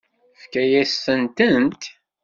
Tefkamt-asent-tent?